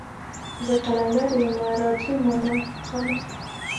زه قلندر يمه رادرومه غمه